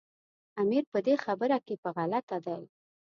امیر په دې خبره کې په غلطه دی.